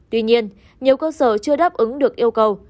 tuy nhiên nhiều cơ sở chưa đáp ứng được yêu cầu